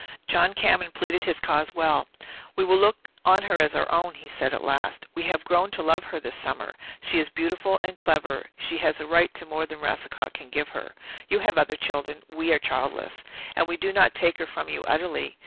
John Cameron pleaded his cause well. "We will look on her as our own," he said at last. "We have grown to love her this summer. She is beautiful and clever she has a right to more than Racicot can give her. You have other children we are childless. And we do not take her from you utterly.